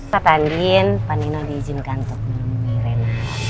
pak andin pak nino diizinkan untuk menemui ren